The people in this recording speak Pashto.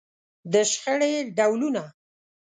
د شخړې ډولونه.